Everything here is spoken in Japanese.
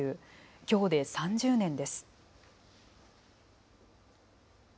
きょうで３０年です。